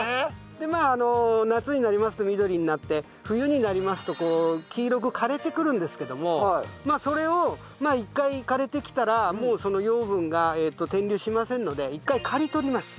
で夏になりますと緑になって冬になりますとこう黄色く枯れてくるんですけどもまあそれを１回枯れてきたらもうその養分が転流しませんので１回刈り取ります。